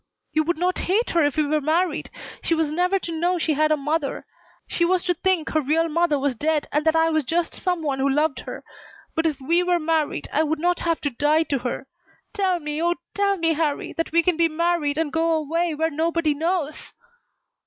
You would not hate her if we were married. She was never to know she had a mother, she was to think her real mother was dead and that I was just some one who loved her. But if we were married I would not have to die to her. Tell me oh, tell me, Harrie, that we can be married and go away where nobody knows!"